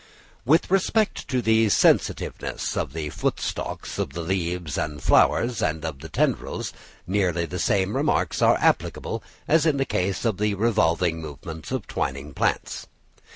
With respect to the sensitiveness of the foot stalks of the leaves and flowers, and of tendrils, nearly the same remarks are applicable as in the case of the revolving movements of twining plants.